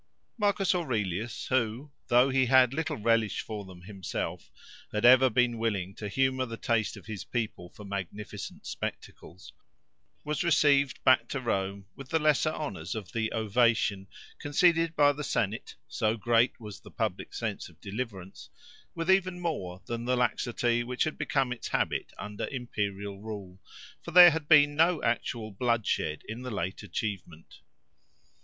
+ Marcus Aurelius who, though he had little relish for them himself, had ever been willing to humour the taste of his people for magnificent spectacles, was received back to Rome with the lesser honours of the Ovation, conceded by the Senate (so great was the public sense of deliverance) with even more than the laxity which had become its habit under imperial rule, for there had been no actual bloodshed in the late achievement.